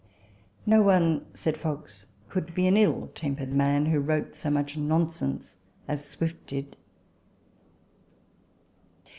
*" No one," said Fox, " could be an ill tempered man who wrote so much nonsense as Swift did."